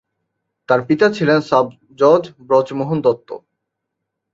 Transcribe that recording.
তার পিতা ছিলেন সাব-জজ ব্রজমোহন দত্ত।